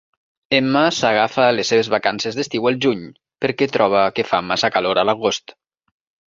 Emma s'agafa les seves vacances d'estiu al juny, perquè troba que fa massa calor a l'agost.